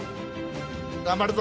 頑張るぞ！